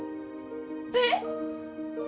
えっ！？